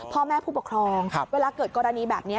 พ่อแม่ผู้ปกครองเวลาเกิดกรณีแบบนี้